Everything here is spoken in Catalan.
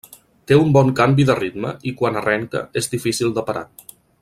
Té un bon canvi de ritme i quan arrenca és difícil de parar.